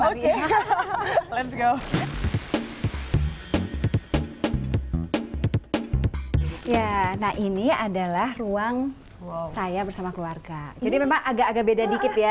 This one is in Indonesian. oke let's go ya nah ini adalah ruang saya bersama keluarga jadi memang agak agak beda dikit ya sama